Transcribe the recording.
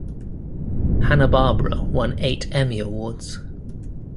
Hanna-Barbera won eight Emmy Awards.